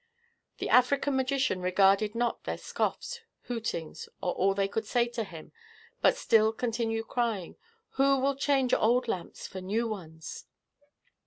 The African magician regarded not their scoffs, hootings, or all they could say to him, but still continued crying, "Who will change old lamps for new ones?"